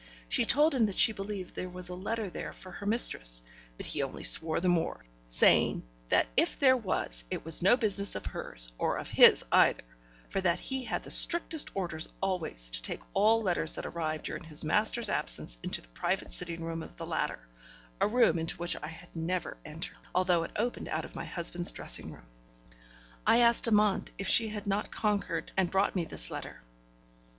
She told him that she believed there was a letter there for her mistress; but he only swore the more, saying, that if there was it was no business of hers, or of his either, for that he had the strictest orders always to take all letters that arrived during his master's absence into the private sitting room of the latter a room into which I had never entered, although it opened out of my husband's dressing room. I asked Amante if she had not conquered and brought me this letter.